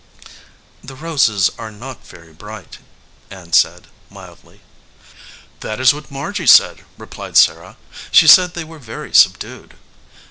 "The roses are not very bright," Ann said, mildly. "That is what Margy said," replied Sarah. "She said they were very subdued."